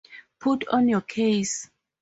Put on your case.